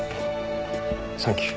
サンキュー。